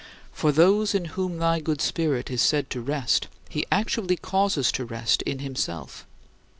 For those in whom thy good Spirit is said to rest he actually causes to rest in himself.